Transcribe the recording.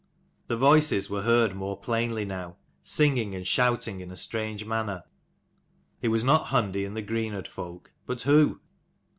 The voices were heard more plainly now, singing and shouting in a strange manner. It was not Hundi and the Greenodd folk: but who?